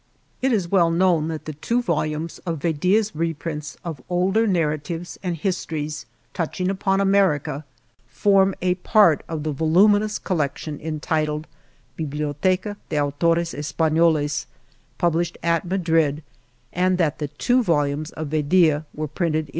It is well known that the two volumes of Vedia's reprints of older narratives and histories touching upon America form a part of the voluminous col lection entitled, Biblioteca de Autores Espa iioles, published at Madrid, and thaft the two volumes of Vedia were printed in 1852.